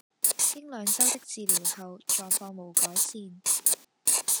經兩周的治療後狀況無改善